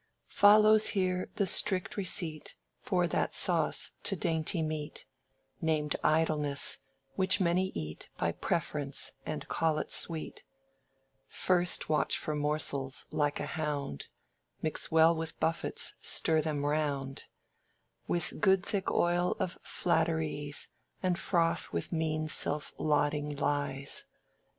"Follows here the strict receipt For that sauce to dainty meat, Named Idleness, which many eat By preference, and call it sweet: _First watch for morsels, like a hound Mix well with buffets, stir them round With good thick oil of flatteries, And froth with mean self lauding lies.